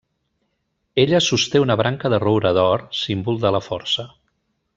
Ella sosté una branca de roure d'or, símbol de la força.